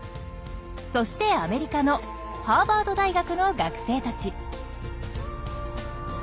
そしてアメリカのハーバード大学の学生たち。